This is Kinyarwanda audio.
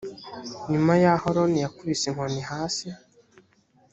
nyuma y aho aroni yakubise inkoni hasi